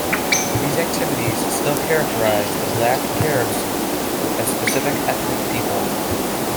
These activities still characterize the Black Caribs as specific ethnic people.